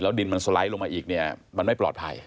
ดินมันสไลด์ลงมาอีกเนี่ยมันไม่ปลอดภัย